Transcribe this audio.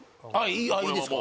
ああいいですか